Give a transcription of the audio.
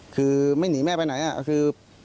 คือไม่หนีแม่ไปไหนคือ